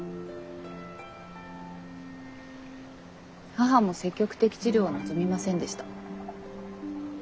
母も積極的治療を望みませんでした。